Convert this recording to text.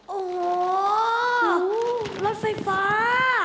โอ้โหรถไฟฟ้า